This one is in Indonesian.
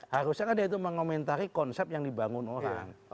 harusnya kan dia itu mengomentari konsep yang dibangun orang